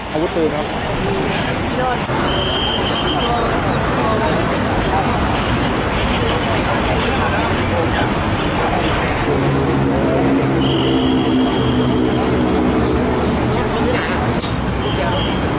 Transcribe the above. เอาวุตูครับเอาวุตูครับ